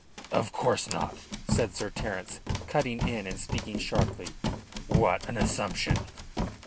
"Of course not," said Sir Terence, cutting in and speaking sharply. "What an assumption!"